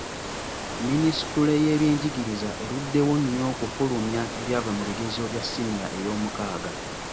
Minisitule y'ebyenjigiriza eruddewo nnyo okufulumya ebyava mu bigezo bya siniya eyomukaaga.